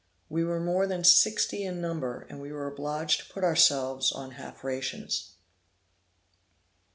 We were more than sixty in number, and we were obliged to put ourselves on half rations.